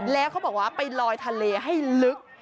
แล้วเขาบอกว่าไปลอยทะเลให้ลึก